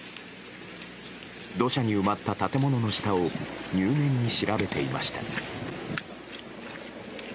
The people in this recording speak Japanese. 土砂に埋まった建物の下を入念に調べていました。